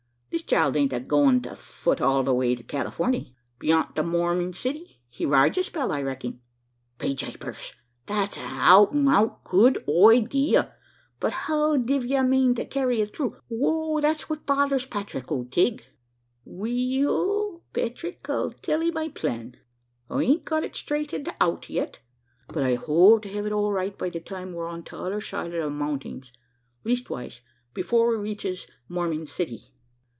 This child ain't a going to fut it all the way to Californey. B'yont the Morming City, he rides a spell, I recking." "Be japers! that's an out an' out good oidea. But how dev ye mane to carry it through? that's what bothers Patrick O'Tigg." "We ell, Petrick, I'll tell ee my plan. I ain't got it straightened out yet, but I hope to hev it all right by the time we're on t'other side the mountings leastwise before we reaches Morming City."